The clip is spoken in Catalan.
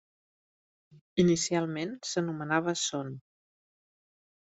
Inicialment s'anomenava Son.